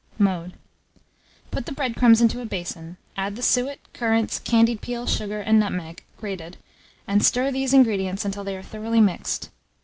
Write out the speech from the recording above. Mode. Put the bread crumbs into a basin; add the suet, currants, candied peel, sugar, and nutmeg, grated, and stir these ingredients until they are thoroughly mixed.